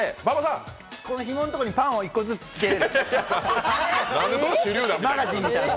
ひものとこにパンを１個ずつくつける？